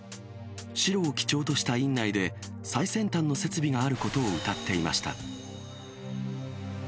白を基調とした院内で、最先端の設備があることをうたっていました。